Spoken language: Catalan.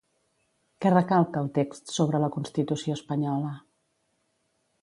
Què recalca el text sobre la Constitució espanyola?